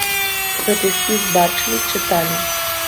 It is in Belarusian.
Гэты спіс бачылі, чыталі.